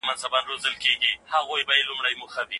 هغه اقتصاد پوهان چی دا موضوع څېړي ډېر تکړه دي.